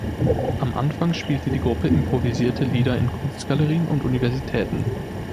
Am Anfang spielte die Gruppe improvisierte Lieder in Kunstgalerien und Universitäten.